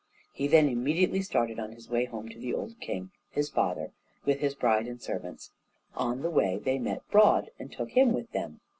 He then immediately started on his way home to the old king, his father, with his bride and servants. On the way they met Broad and took him with them.